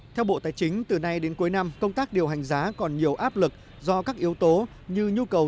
theo bộ tài chính từ nay đến cuối năm công tác điều hành giá còn nhiều áp lực do các yếu tố như nhu cầu